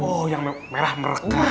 oh yang merah mereka